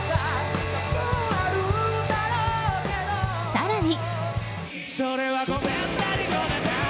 更に。